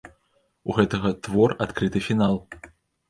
У гэтага твор адкрыты фінал.